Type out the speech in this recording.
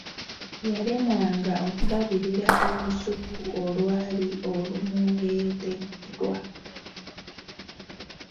Yalemwanga okulabirira olusuku olwali olumuweereddwa.